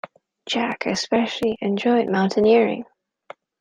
Jack especially enjoyed mountaineering.